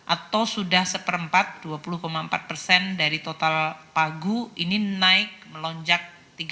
atau sudah seperempat dua puluh empat persen dari total pagu ini naik melonjak tiga puluh